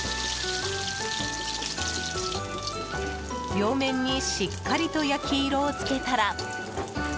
両面にしっかりと焼き色をつけたら。